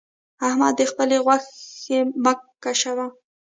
احمده! د خبل غوښې مه شکوه.